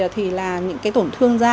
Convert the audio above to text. thì tổn thương da